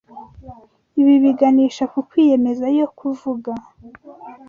Ibi biganisha ku kwiyemeza yo kuvuga